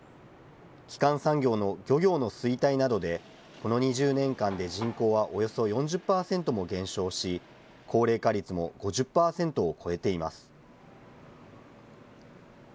基幹産業の漁業の衰退などで、この２０年間で人口はおよそ４０％も減少し、高齢化率も５０％を超えています。